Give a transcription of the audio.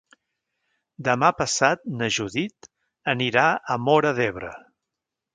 Demà passat na Judit anirà a Móra d'Ebre.